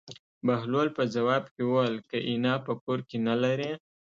بهلول په ځواب کې وویل: که اېنه په کور کې نه لرې.